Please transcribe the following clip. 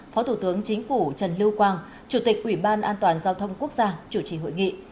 phó thủ tướng chính phủ trần lưu quang chủ tịch ủy ban an toàn giao thông quốc gia chủ trì hội nghị